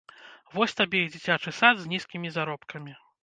Вось табе і дзіцячы сад з нізкімі заробкамі!